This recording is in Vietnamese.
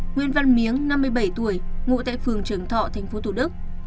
nguyên văn miếng năm mươi bảy tuổi ngụ tại phường trường thọ tp thủ đức